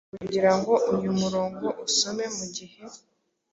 kugirango uyu murongo usomeMugihe